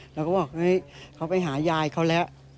เราก็บอกเฮ้ยเขาไปหายายเขาแล้ว